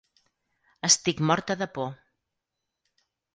Estic morta de por.